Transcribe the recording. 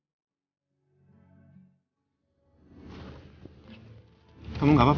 sekarang onu tak pergi nanti